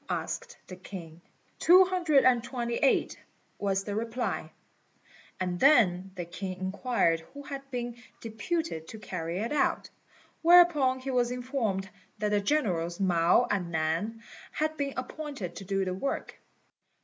asked the king. "Two hundred and twenty eight," was the reply; and then the king inquired who had been deputed to carry it out; whereupon he was informed that the generals Mao and Nan had been appointed to do the work.